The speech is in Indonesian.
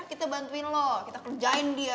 kita bantuin loh kita kerjain dia